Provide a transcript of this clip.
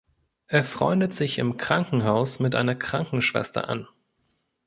Er freundet sich im Krankenhaus mit einer Krankenschwester an.